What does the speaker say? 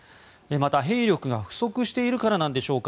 また、兵力が不足しているからなんでしょうか。